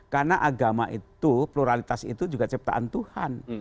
karena agama itu pluralitas itu juga ciptaan tuhan